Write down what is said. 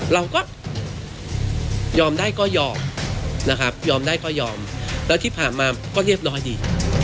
เราก็ยอมได้ก็ยอมนะครับยอมได้ก็ยอมแล้วที่ผ่านมาก็เรียบร้อยดี